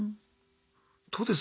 どうです？